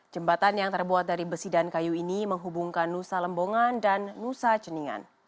jembatan yang terbuat dari besi dan kayu ini menghubungkan nusa lembongan dan nusa ceningan